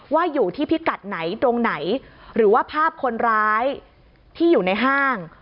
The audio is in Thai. ว่าอยู่ที่พิกัดไหนตรงไหนหรือว่าภาพคนร้ายที่อยู่ในห้าง